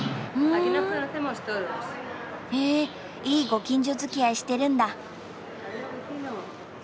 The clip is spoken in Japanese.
いいご近所づきあいしてるんだ。